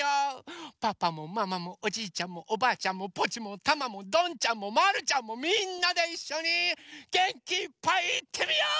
パパもママもおじいちゃんもおばあちゃんもポチもタマもどんちゃんもまるちゃんもみんなでいっしょにげんきいっぱいいってみよう！